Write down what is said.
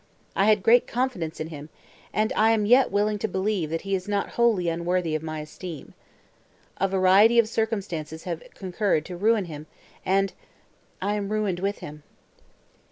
I had great confidence in him, and I am yet willing to believe, that he is not wholly unworthy of my esteem. A variety of circumstances have concurred to ruin him, and—I am ruined with him."